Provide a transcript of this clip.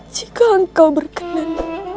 jika engkau berkenan